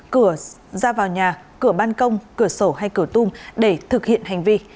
cửa ra vào nhà cửa ban công cửa sổ hay cửa tung để thực hiện hành vi